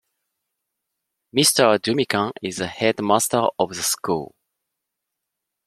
Mr Dumican is the headmaster of the school.